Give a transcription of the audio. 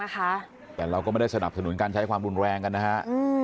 แต่เราก็ไม่ได้สนับสนุนการใช้ความรุนแรงกันนะฮะ